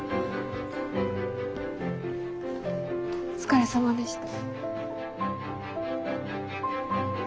お疲れさまでした。